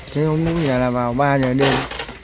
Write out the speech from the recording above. xe ôm nó bây giờ là vào ba giờ đêm